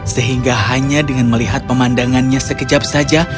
sehingga hanya dengan melihat pemandangannya sekejap saja